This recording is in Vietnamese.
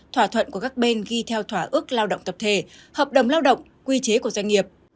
thỏa thuận của các bên ghi theo thỏa ước lao động tập thể hợp đồng lao động quy chế của doanh nghiệp